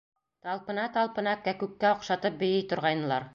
Талпына-талпына кәкүккә оҡшатып бейей торғайнылар.